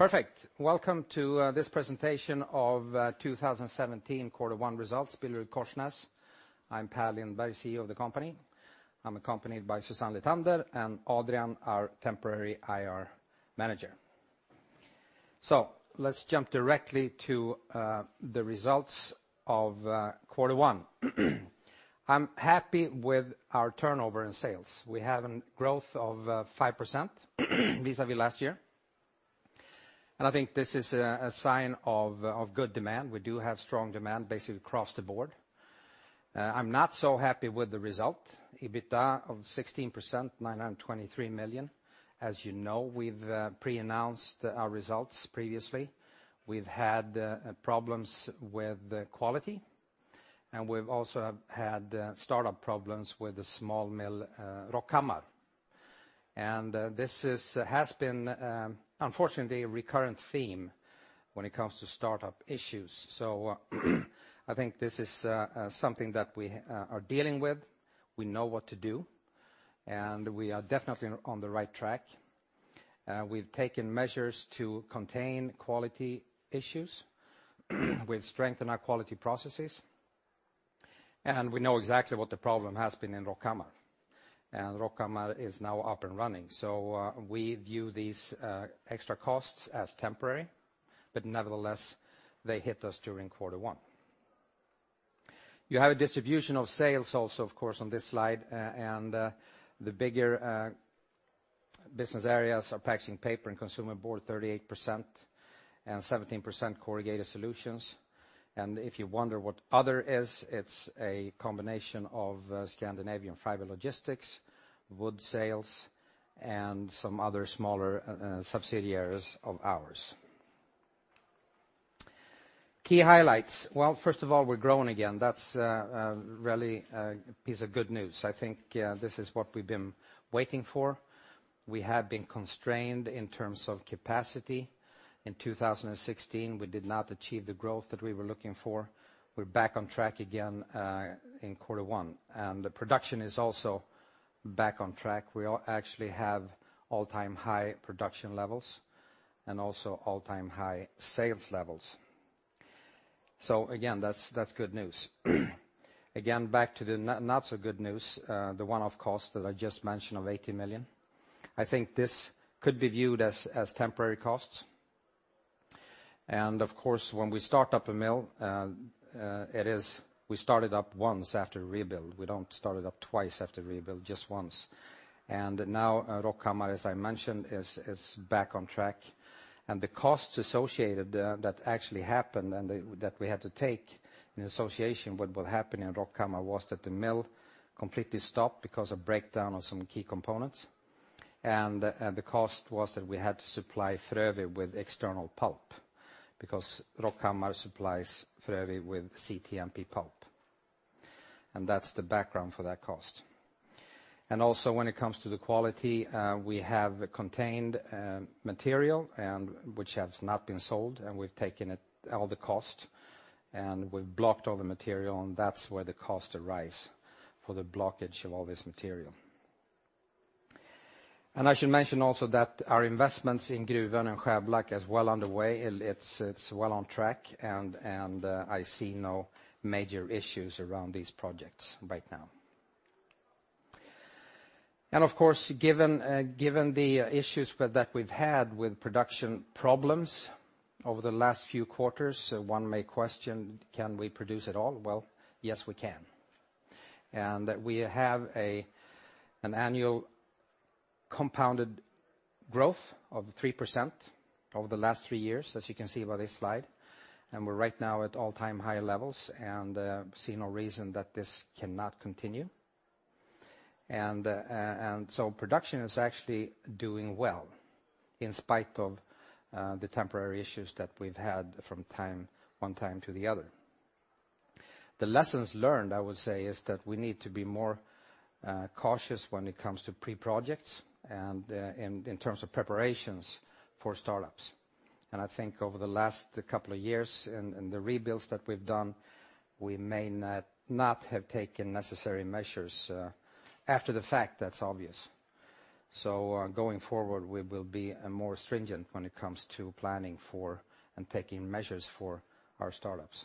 Perfect. Welcome to this presentation of 2017 quarter one results, BillerudKorsnäs. I'm Per Lindberg, CEO of the company. I'm accompanied by Susanne Lithander and Adrian, our temporary IR manager. Let's jump directly to the results of quarter one. I'm happy with our turnover in sales. We have a growth of 5% vis-à-vis last year, and I think this is a sign of good demand. We do have strong demand basically across the board. I'm not so happy with the result, EBITDA of 16%, 923 million. As you know, we've pre-announced our results previously. We've had problems with quality, and we've also had startup problems with the small mill, Rockhammar. This has been unfortunately a recurrent theme when it comes to startup issues. I think this is something that we are dealing with. We know what to do, and we are definitely on the right track. We've taken measures to contain quality issues with strength in our quality processes, and we know exactly what the problem has been in Rockhammar, and Rockhammar is now up and running. We view these extra costs as temporary, nevertheless, they hit us during quarter one. You have a distribution of sales also, of course, on this slide, and the bigger business areas are Packaging Paper, and Consumer Board 38%, and 17% Corrugated Solutions. If you wonder what other is, it's a combination of Scandinavian Fiber Logistics, wood sales, and some other smaller subsidiaries of ours. Key highlights. Well, first of all, we're growing again. That's really a piece of good news. I think this is what we've been waiting for. We have been constrained in terms of capacity. In 2016, we did not achieve the growth that we were looking for. We're back on track again in quarter one, and the production is also back on track. We actually have all-time high production levels and also all-time high sales levels. Again, that's good news. Again, back to the not so good news, the one-off cost that I just mentioned of 80 million. I think this could be viewed as temporary costs, of course, when we start up a mill, we start it up once after rebuild. We don't start it up twice after rebuild, just once. Now Rockhammar, as I mentioned, is back on track. The costs associated that actually happened and that we had to take in association with what happened in Rockhammar was that the mill completely stopped because of breakdown of some key components. The cost was that we had to supply Frövi with external pulp, because Rockhammar supplies Frövi with CTMP pulp. That's the background for that cost. Also when it comes to the quality, we have contained material, which has not been sold, and we've taken all the cost, and we've blocked all the material, and that's where the cost arise, for the blockage of all this material. I should mention also that our investments in Gruvön and Skärblacka as well underway, it's well on track and I see no major issues around these projects right now. Of course, given the issues that we've had with production problems over the last few quarters, one may question, can we produce at all? Well, yes, we can. We have an annual compounded growth of 3% over the last three years, as you can see by this slide. We're right now at all-time high levels, and see no reason that this cannot continue. Production is actually doing well in spite of the temporary issues that we've had from one time to the other. The lessons learned, I would say, is that we need to be more cautious when it comes to pre-projects and in terms of preparations for startups. I think over the last couple of years in the rebuilds that we've done, we may not have taken necessary measures after the fact, that's obvious. Going forward, we will be more stringent when it comes to planning for and taking measures for our startups.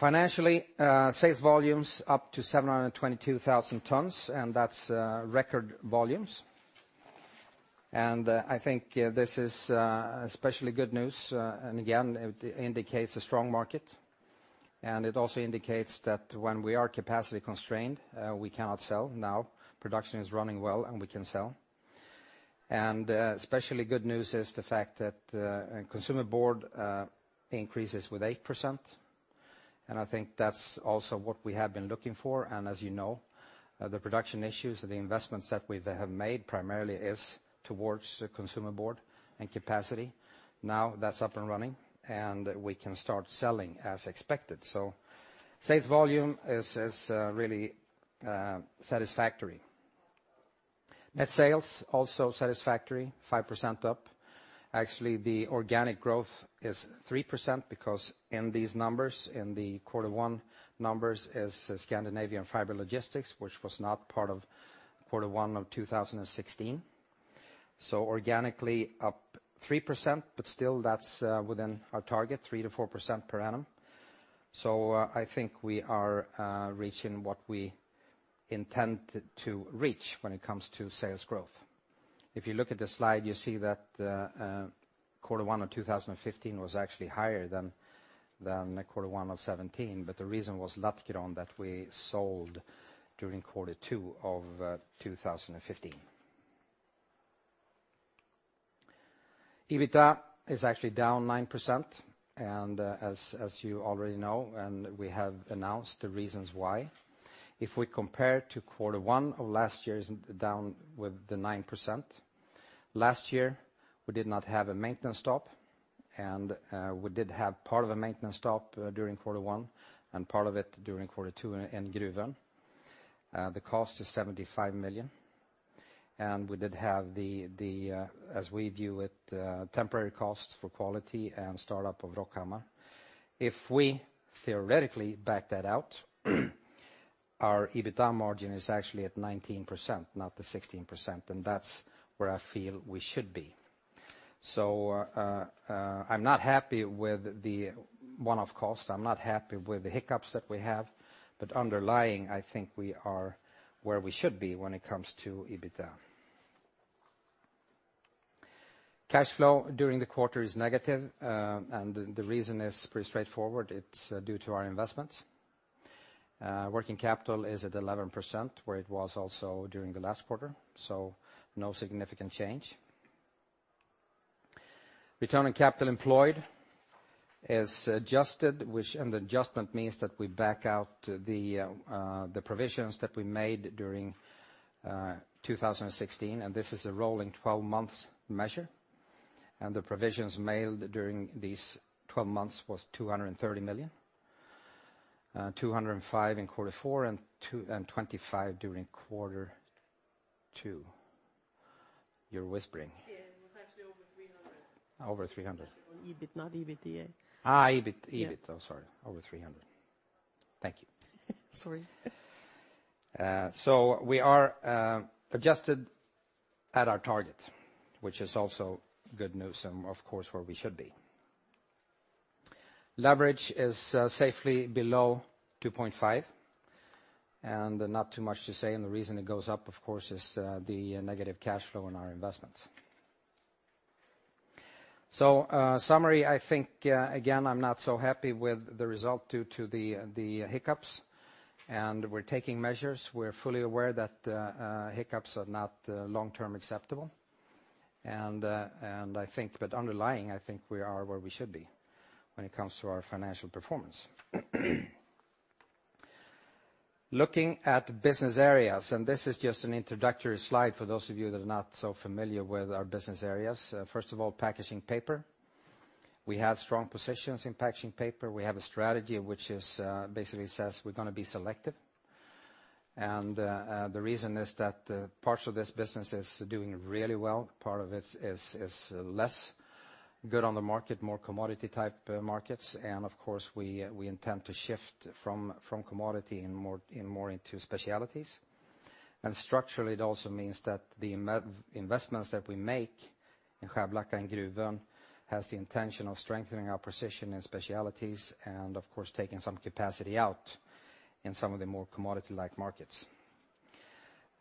Financially, sales volumes up to 722,000 tons, that's record volumes. I think this is especially good news, and again, it indicates a strong market. It also indicates that when we are capacity constrained, we cannot sell. Now, production is running well, and we can sell. Especially good news is the fact that Consumer Board increases with 8%, and I think that's also what we have been looking for. As you know, the production issues, the investments that we have made primarily is towards Consumer Board and capacity. Now that's up and running, and we can start selling as expected. Sales volume is really satisfactory. Net sales, also satisfactory, 5% up. Actually, the organic growth is 3% because in these numbers, in the quarter one numbers is Scandinavian Fiber Logistics, which was not part of quarter one of 2016. Organically up 3%, but still that's within our target 3%-4% per annum. I think we are reaching what we intend to reach when it comes to sales growth. If you look at the slide, you see that Q1 of 2015 was actually higher than Q1 of 2017, but the reason was Latkyrko that we sold during Q2 of 2015. EBITDA is actually down 9%. As you already know, we have announced the reasons why. If we compare to Q1 of last year is down with 9%, last year, we did not have a maintenance stop, and we did have part of a maintenance stop during Q1 and part of it during Q2 in Gruvön. The cost is 75 million. We did have the, as we view it, temporary costs for quality and startup of Rockhammar. If we theoretically back that out, our EBITDA margin is actually at 19%, not the 16%, and that's where I feel we should be. I'm not happy with the one-off cost. I'm not happy with the hiccups that we have, but underlying, I think we are where we should be when it comes to EBITDA. Cash flow during the quarter is negative, and the reason is pretty straightforward. It's due to our investments. Working capital is at 11%, where it was also during the last quarter. No significant change. Return on capital employed is adjusted, which an adjustment means that we back out the provisions that we made during 2016. The provisions made during these 12 months was 230 million, 205 in Q4 and 25 during Q2. You're whispering. It was actually over 300. Over 300. On EBIT, not EBITDA. EBIT. Sorry. Over 300. Thank you. Sorry. We are adjusted at our target, which is also good news and of course, where we should be. Leverage is safely below 2.5, not too much to say. The reason it goes up, of course, is the negative cash flow in our investments. Summary, I think, again, I'm not so happy with the result due to the hiccups. We're taking measures. We're fully aware that hiccups are not long-term acceptable. Underlying, I think we are where we should be when it comes to our financial performance. Looking at business areas. This is just an introductory slide for those of you that are not so familiar with our business areas. First of all, Packaging Paper. We have strong positions in Packaging Paper. We have a strategy which basically says we're going to be selective. The reason is that parts of this business is doing really well. Part of it is less good on the market, more commodity type markets. Of course, we intend to shift from commodity more into specialities. Structurally, it also means that the investments that we make in Skärblacka and Gruvön has the intention of strengthening our position in specialities and, of course, taking some capacity out in some of the more commodity-like markets.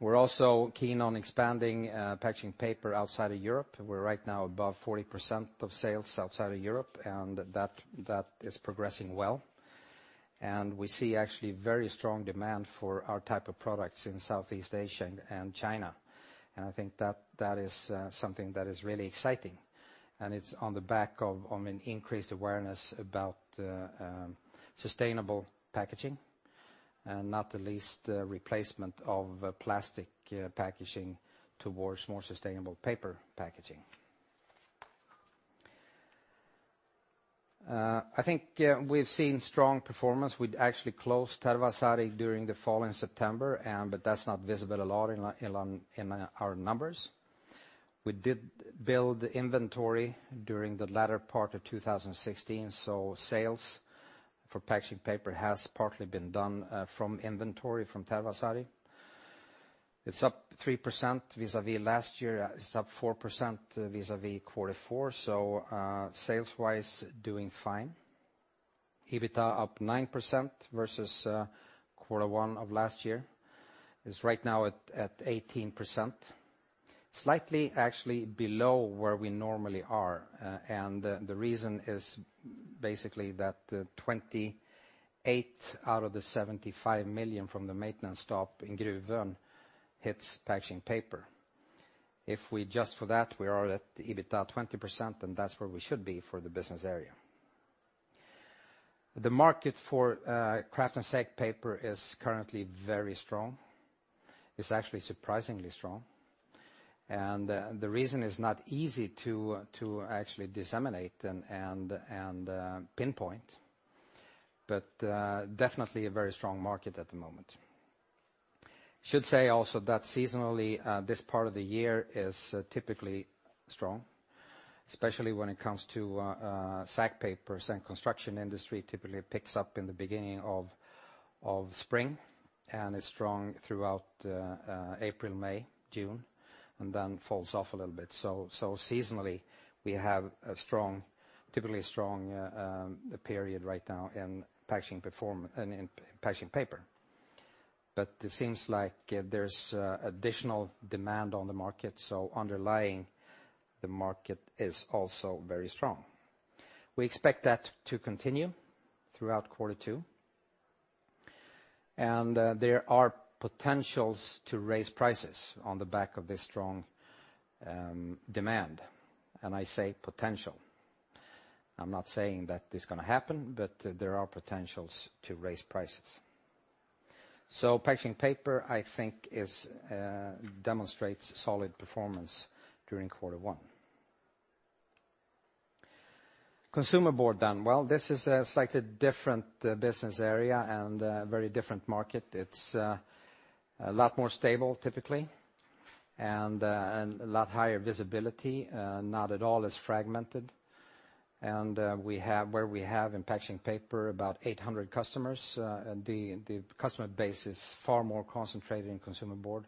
We're also keen on expanding Packaging Paper outside of Europe. We're right now above 40% of sales outside of Europe. That is progressing well. We see actually very strong demand for our type of products in Southeast Asia and China. I think that is something that is really exciting. It's on the back of an increased awareness about sustainable packaging, not the least replacement of plastic packaging towards more sustainable paper packaging. I think we've seen strong performance. We'd actually closed Tervasaari during the fall in September. That's not visible a lot in our numbers. We did build the inventory during the latter part of 2016, so sales for Packaging Paper has partly been done from inventory from Tervasaari. It's up 3% vis-à-vis last year. It's up 4% vis-à-vis Q4, so sales-wise, doing fine. EBITDA up 9% versus Q1 of last year, is right now at 18%, slightly actually below where we normally are. The reason is basically that 28 million out of the 75 million from the maintenance stop in Gruvön hits Packaging Paper. If we adjust for that, we are at EBITDA 20%, and that's where we should be for the business area. The market for kraft and sack paper is currently very strong. It's actually surprisingly strong. The reason is not easy to actually disseminate and pinpoint, but definitely a very strong market at the moment. Should say also that seasonally, this part of the year is typically strong. Especially when it comes to sack papers and construction industry, typically it picks up in the beginning of spring. It's strong throughout April, May, June. Then falls off a little bit. Seasonally, we have a typically strong period right now in Packaging Paper. It seems like there's additional demand on the market, so underlying the market is also very strong. We expect that to continue throughout quarter two. There are potentials to raise prices on the back of this strong demand. I say potential. I'm not saying that it's going to happen, but there are potentials to raise prices. Packaging Paper, I think, demonstrates solid performance during quarter one. Consumer Board done well. This is a slightly different business area and a very different market. It's a lot more stable typically, and a lot higher visibility, not at all as fragmented. Where we have in Packaging Paper about 800 customers, the customer base is far more concentrated in Consumer Board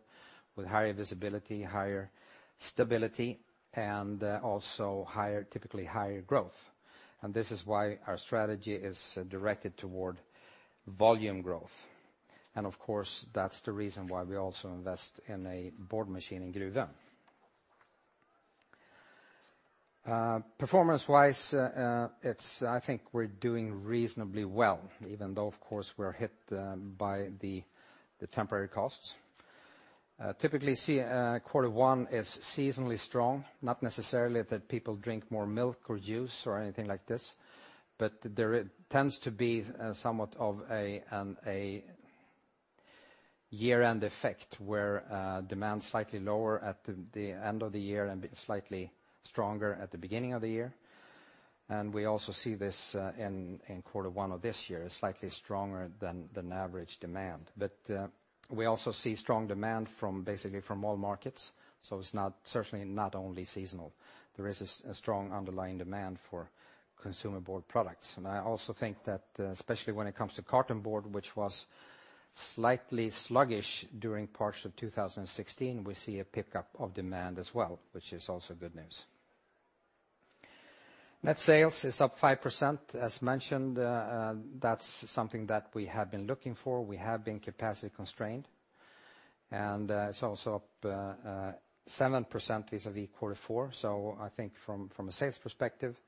with higher visibility, higher stability, and also typically higher growth. This is why our strategy is directed toward volume growth. Of course, that's the reason why we also invest in a board machine in Gruvön. Performance-wise, I think we're doing reasonably well, even though, of course, we're hit by the temporary costs. Typically, quarter one is seasonally strong. Not necessarily that people drink more milk or juice or anything like this, but there tends to be somewhat of a year-end effect where demand slightly lower at the end of the year and slightly stronger at the beginning of the year. We also see this in quarter one of this year, slightly stronger than average demand. We also see strong demand basically from all markets, so it's certainly not only seasonal. There is a strong underlying demand for Consumer Board products. I also think that, especially when it comes to cartonboard, which was slightly sluggish during parts of 2016, we see a pickup of demand as well, which is also good news. Net sales is up 5%, as mentioned. That's something that we have been looking for. We have been capacity constrained, and it's also up 7% vis-à-vis quarter four. I think from a sales perspective,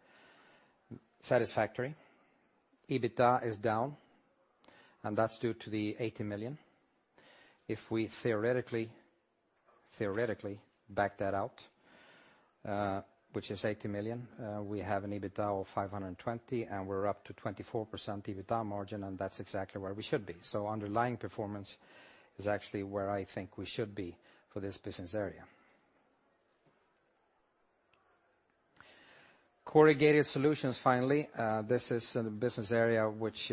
satisfactory. EBITDA is down, and that's due to the 80 million. If we theoretically back that out, which is 80 million, we have an EBITDA of 520, and we're up to 24% EBITDA margin, and that's exactly where we should be. Underlying performance is actually where I think we should be for this business area. Corrugated Solutions, finally. This is the business area which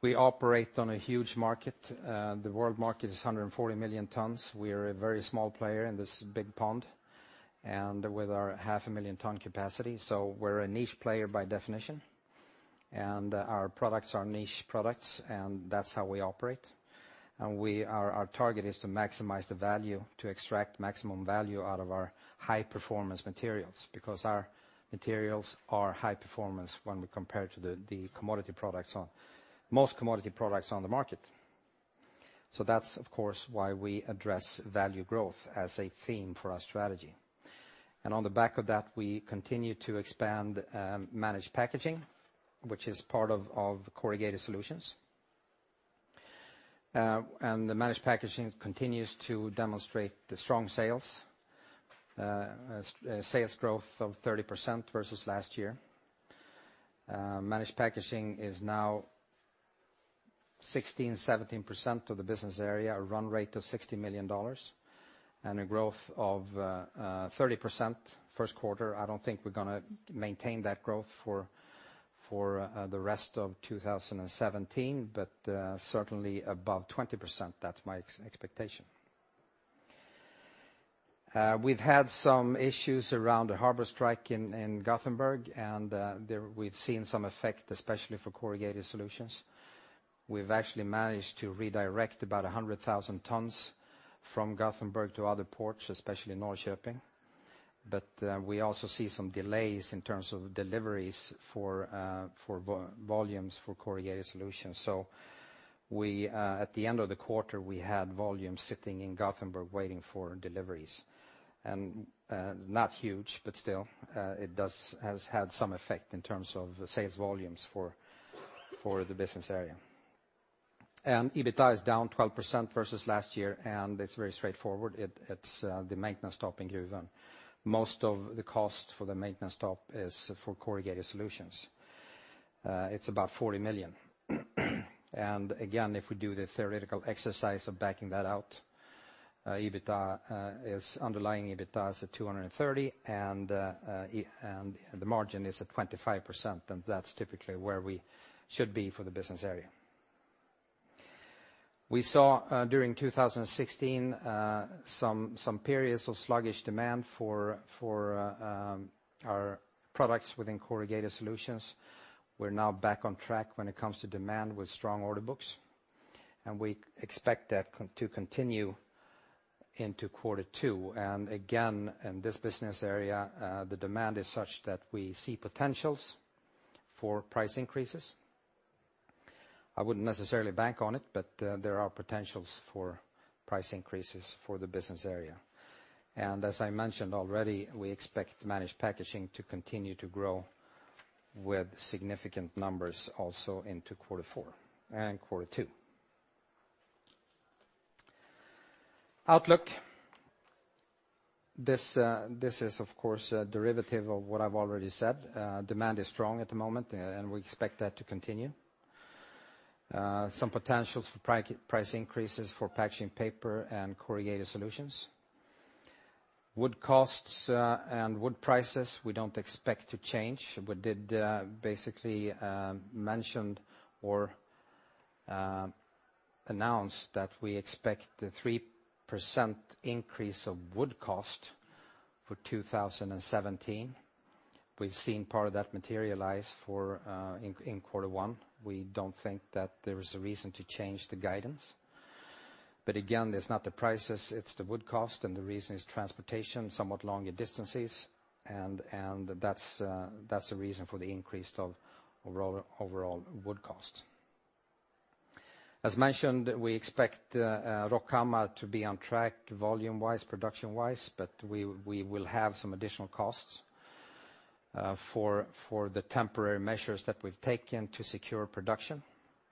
we operate on a huge market. The world market is 140 million tons. We are a very small player in this big pond, and with our half a million ton capacity. We're a niche player by definition, and our products are niche products, and that's how we operate. Our target is to maximize the value, to extract maximum value out of our high-performance materials, because our materials are high performance when we compare to most commodity products on the market. That's, of course, why we address value growth as a theme for our strategy. On the back of that, we continue to expand Managed Packaging, which is part of Corrugated Solutions. The Managed Packaging continues to demonstrate the strong sales growth of 30% versus last year. Managed Packaging is now 16%-17% of the business area, a run rate of SEK 60 million, and a growth of 30% first quarter. I don't think we're going to maintain that growth for the rest of 2017, but certainly above 20%. That's my expectation. We've had some issues around the harbor strike in Gothenburg, and we've seen some effect, especially for Corrugated Solutions. We've actually managed to redirect about 100,000 tons from Gothenburg to other ports, especially Norrköping. We also see some delays in terms of deliveries for volumes for Corrugated Solutions. At the end of the quarter, we had volumes sitting in Gothenburg waiting for deliveries. Not huge, but still, it has had some effect in terms of the sales volumes for the business area. EBITDA is down 12% versus last year, and it's very straightforward. It's the maintenance stop in Gruvön. Most of the cost for the maintenance stop is for Corrugated Solutions. It's about 40 million. Again, if we do the theoretical exercise of backing that out, underlying EBITDA is at 230 million, and the margin is at 25%, and that's typically where we should be for the business area. We saw during 2016, some periods of sluggish demand for our products within Corrugated Solutions. We're now back on track when it comes to demand with strong order books, and we expect that to continue into quarter two. Again, in this business area, the demand is such that we see potentials for price increases. I wouldn't necessarily bank on it, but there are potentials for price increases for the business area. As I mentioned already, we expect Managed Packaging to continue to grow with significant numbers also into quarter four and quarter two. Outlook. This is, of course, a derivative of what I've already said. Demand is strong at the moment, and we expect that to continue. Some potentials for price increases for Packaging Paper and Corrugated Solutions. Wood costs and wood prices, we don't expect to change. We did basically mention or announce that we expect the 3% increase of wood cost for 2017. We've seen part of that materialize in quarter one. We don't think that there is a reason to change the guidance. Again, it's not the prices, it's the wood cost, and the reason is transportation, somewhat longer distances, and that's the reason for the increase of overall wood cost. As mentioned, we expect Rockhammar to be on track volume-wise, production-wise, but we will have some additional costs for the temporary measures that we've taken to secure production.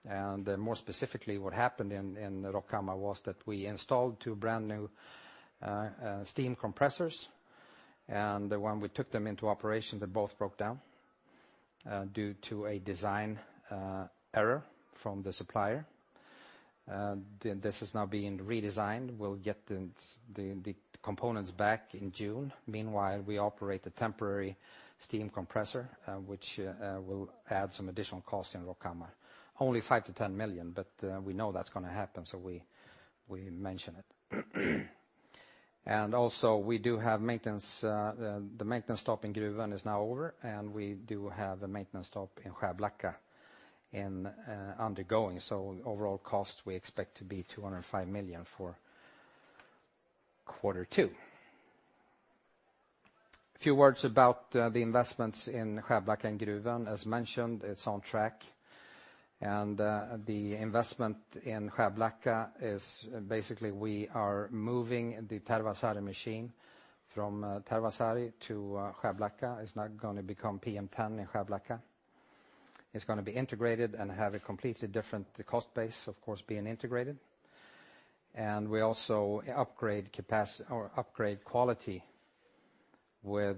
More specifically, what happened in Rockhammar was that we installed two brand new steam compressors, and when we took them into operation, they both broke down due to a design error from the supplier. This is now being redesigned. We'll get the components back in June. Meanwhile, we operate a temporary steam compressor, which will add some additional cost in Rockhammar. Only 5 million to 10 million, but we know that's going to happen, so we mention it. Also we do have maintenance. The maintenance stop in Gruvön is now over, and we do have a maintenance stop in Skärblacka undergoing. Overall cost, we expect to be 205 million for quarter two. A few words about the investments in Skärblacka and Gruvön. As mentioned, it's on track, and the investment in Skärblacka is basically we are moving the Tervasaari machine from Tervasaari to Skärblacka. It's now going to become PM10 in Skärblacka. It's going to be integrated and have a completely different cost base, of course, being integrated. We also upgrade quality with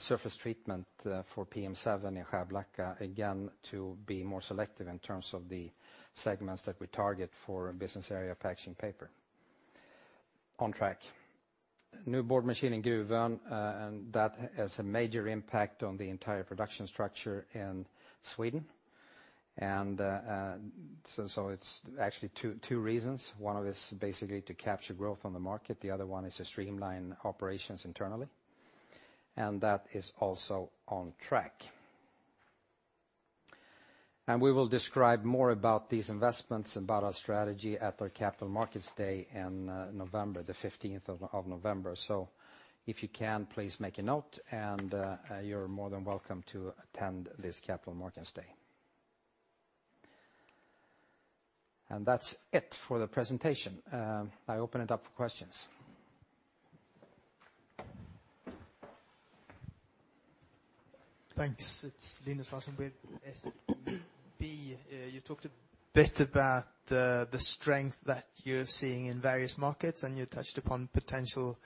surface treatment for PM7 in Skärblacka, again, to be more selective in terms of the segments that we target for business area Packaging Paper. On track. New board machine in Gruvön, that has a major impact on the entire production structure in Sweden. It is actually two reasons. One is basically to capture growth on the market, the other one is to streamline operations internally, that is also on track. We will describe more about these investments, about our strategy at our Capital Markets Day in November 15th. If you can, please make a note, you are more than welcome to attend this Capital Markets Day. That is it for the presentation. I open it up for questions. Thanks. It is Linus Larsson, SEB. You talked a bit about the strength that you are seeing in various markets, you touched upon potential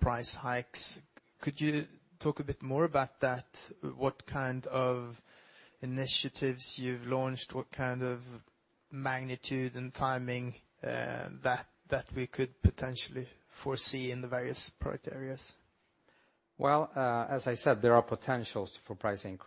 price hikes. Could you talk a bit more about that? What kind of initiatives you have launched? What kind of magnitude and timing that we could potentially foresee in the various product areas? Well, as I said, there are potentials for price increases